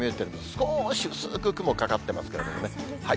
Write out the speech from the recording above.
少し薄く雲かかってますけどもね。